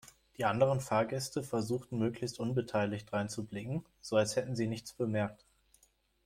Die anderen Fahrgäste versuchten möglichst unbeteiligt dreinzublicken, so als hätten sie nichts bemerkt.